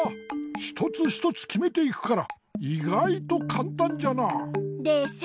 ひとつひとつきめていくからいがいとかんたんじゃな。でしょ！